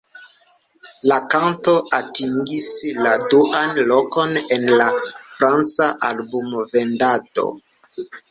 La kanto atingis la duan lokon en la franca album-vendado.